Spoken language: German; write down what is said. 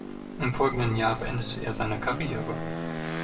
Im folgenden Jahr beendete er seine Karriere.